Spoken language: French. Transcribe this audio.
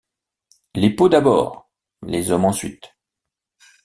Les peaux d’abord, les hommes ensuite.